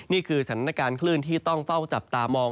นี่คือสถานการณ์คลื่นที่ต้องเฝ้าจับตามอง